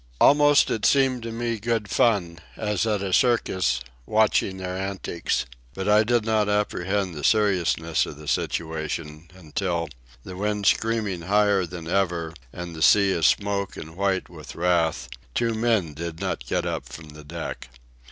Almost it seemed to me good fun, as at a circus, watching their antics. But I did not apprehend the seriousness of the situation until, the wind screaming higher than ever and the sea a smoke and white with wrath, two men did not get up from the deck.